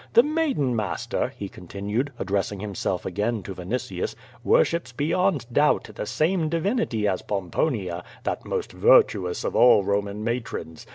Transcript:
"The maiden, master/' he continued, addressing himself again to Vinitius, "worships beyond doubt the same divinity as Pomponia, that most virtuous of all Boman matrons.